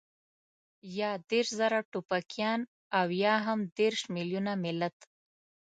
يا دېرش زره ټوپکيان او يا هم دېرش مېليونه ملت.